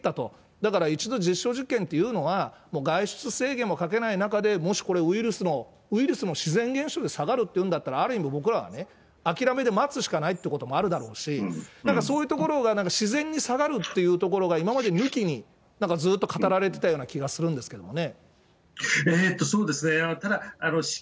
だから一度、実証実験っていうのはもう外出制限もかけない中で、もしこれ、ウイルスも自然現象で下がるっていうんだったら、ある意味、僕らはね、諦めで待つしかないということもあるだろうし、だからそういうところが自然に下がるっていうところが今まで抜きに、なんかずっと語られてたような気がするんですけどね。